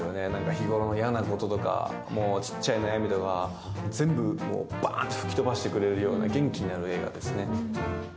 日頃の嫌なこととかちっちゃい悩みとか全部バーンって吹き飛ばしてくれるような元気になれる映画ですね。